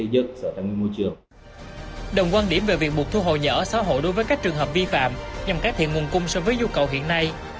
đồng quan điểm về việc buộc thu hồi nhà ở xã hội đối với các trường hợp vi phạm nhằm cải thiện nguồn cung so với nhu cầu hiện nay